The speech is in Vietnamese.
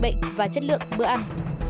bệnh và chất lượng bữa ăn